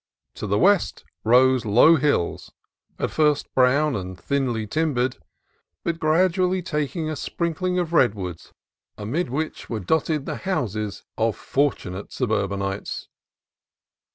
To the west rose low hills, at first brown and thinly timbered, but gradually taking a sprinkling of redwoods 246 CALIFORNIA COAST TRAILS amid which were dotted the houses of fortunate sub urbanites.